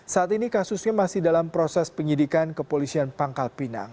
saat ini kasusnya masih dalam proses penyidikan kepolisian pangkal pinang